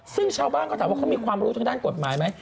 ซึ่งชาวบ้านเขาถามว่าเขามีความรู้ทางด้านกฎหมายไหม